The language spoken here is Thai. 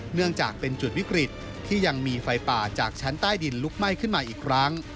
เนื่องจากเป็นจุดวิกฤตที่ยังมีไฟป่าจากชั้นใต้ดินลุกไหม้ขึ้นมาอีกครั้ง